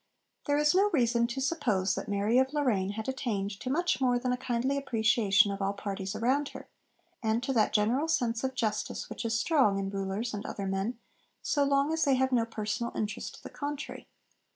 There is no reason to suppose that Mary of Lorraine had attained to much more than a kindly appreciation of all parties around her, and to that general sense of justice which is strong in rulers and other men so long as they have no personal interest to the contrary.